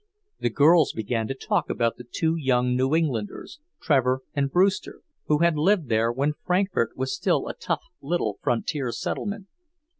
The girls began to talk about the two young New Englanders, Trevor and Brewster, who had lived there when Frankfort was still a tough little frontier settlement.